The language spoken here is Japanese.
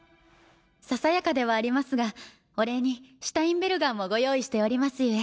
ささやかではありますがお礼にシュタインベルガーもご用意しておりますゆえ。